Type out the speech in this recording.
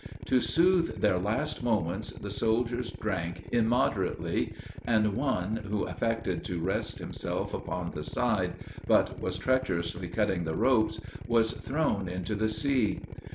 To soothe their last moments, the soldiers drank immoderately; and one, who affected to rest himself upon the side, but was treacherously cutting the ropes, was thrown into the sea.